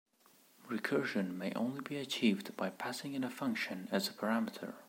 Recursion may only be achieved by passing in a function as a parameter.